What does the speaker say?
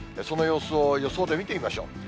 その様子を予想で見てみましょう。